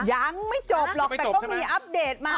ยังไม่จบหรอกแต่ก็มีอัปเดตมา